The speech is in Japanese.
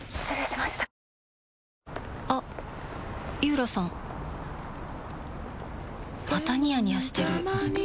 またニヤニヤしてるふふ。